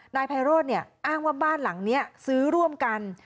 นายไพโรธเนี่ยอ้างว่าบ้านหลังนี้ซื้อร่วมกัน